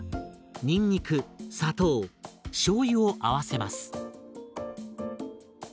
にんにく砂糖しょうゆを合わせます。